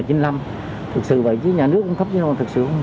thật sự vậy chứ nhà nước cung cấp cho nó